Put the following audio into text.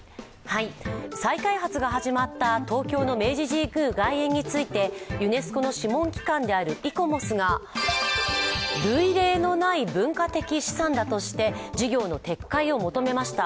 再開発が始まった東京の明治神宮外苑について、ユネスコの諮問機関であるイコモスが類例のない文化的資産だとして事業の撤回を求めました。